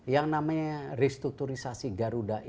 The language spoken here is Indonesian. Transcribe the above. yang namanya restrukturisasi garuda ini